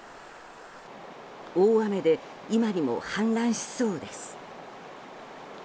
大雨で今にも氾濫しそうです。